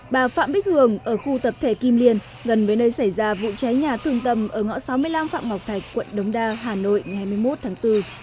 bà phạm bích hường ở khu tập thể kim liên gần với nơi xảy ra vụ cháy nhà thường tâm ở ngõ sáu mươi năm phạm ngọc thạch quận đống đa hà nội ngày hai mươi một tháng bốn